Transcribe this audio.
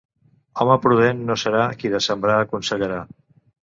Home prudent no serà qui de sembrar aconsellarà.